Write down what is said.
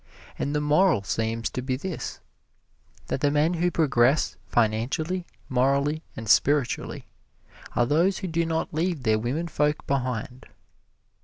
And the moral seems to be this, that the men who progress financially, morally and spiritually are those who do not leave their women folk behind.